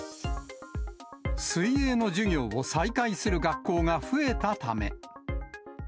水泳の授業を再開する学校が増えたため。